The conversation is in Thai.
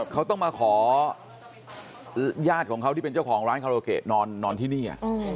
เขาต้องมาขอญาติของเขาที่เป็นเจ้าของร้านคาราโอเกะนอนที่นี่